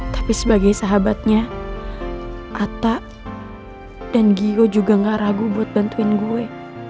tapi sebagai sahabatnya atta dan gio juga gak ragu buat bantuin gue